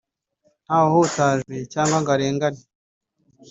ntawe uhutajwe cyangwa ngo arengane